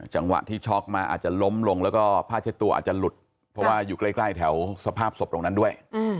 จังหวะที่ช็อกมาอาจจะล้มลงแล้วก็ผ้าเช็ดตัวอาจจะหลุดเพราะว่าอยู่ใกล้แถวสภาพศพตรงนั้นด้วย